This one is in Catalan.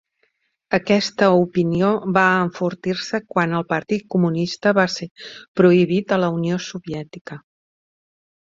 Aquesta opinió va enfortir-se quan el Partit Comunista va ser prohibit a la Unió Soviètica.